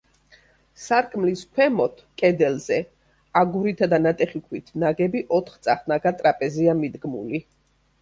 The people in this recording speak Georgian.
სარკმლის ქვემოთ, კედელზე, აგურითაა და ნატეხი ქვით ნაგები ოთხწახნაგა ტრაპეზია მიდგმული.